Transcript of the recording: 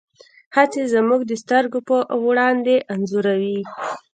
هڅې زموږ د سترګو په وړاندې انځوروي.